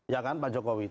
ya kan pak jokowi